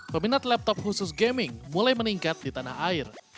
peminat laptop khusus gaming mulai meningkat di tanah air